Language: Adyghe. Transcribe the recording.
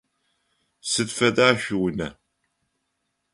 Сыд фэда шъуиунэ?